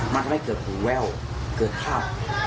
มันทำให้เกิดหูแว่วเกิดห้าว